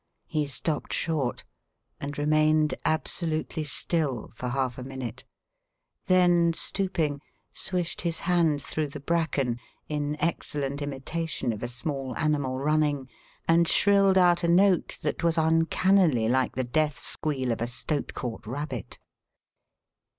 He stopped short, and remained absolutely still for half a minute, then, stooping, swished his hand through the bracken in excellent imitation of a small animal running, and shrilled out a note that was uncannily like the death squeal of a stoat caught rabbit.